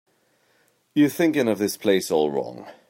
You're thinking of this place all wrong.